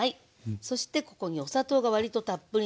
そしてここにお砂糖がわりとたっぷりめ。